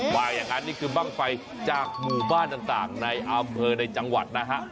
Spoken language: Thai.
ว่าอย่างนั้นนี่คือบ้างไฟจากหมู่บ้านต่างในอำเภอในจังหวัดนะฮะ